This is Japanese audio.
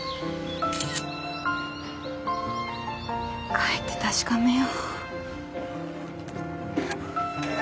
帰って確かめよう。